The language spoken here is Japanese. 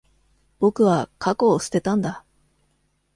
僕は、過去を捨てたんだ。